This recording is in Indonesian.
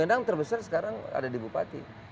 yang terbesar sekarang ada di bupati